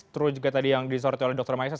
terus juga tadi yang disorti oleh dr maisat